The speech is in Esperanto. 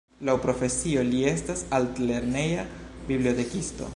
Laŭ profesio, li estas altlerneja bibliotekisto.